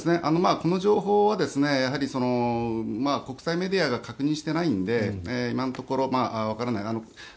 この情報は国際メディアが確認してないので今のところわからない。